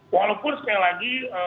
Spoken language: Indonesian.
walaupun sekali lagi